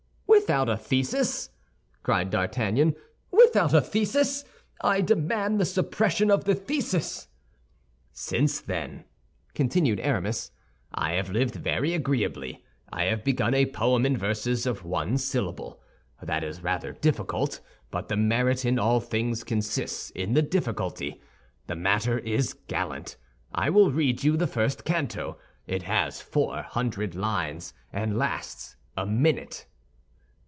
"Without a thesis?" cried D'Artagnan, "without a thesis? I demand the suppression of the thesis." "Since then," continued Aramis, "I have lived very agreeably. I have begun a poem in verses of one syllable. That is rather difficult, but the merit in all things consists in the difficulty. The matter is gallant. I will read you the first canto. It has four hundred lines, and lasts a minute."